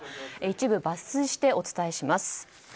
一部抜粋してお伝えします。